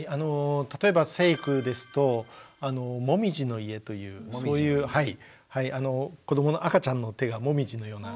例えば成育ですと「もみじの家」というそういう子どもの赤ちゃんの手がもみじのようなというので。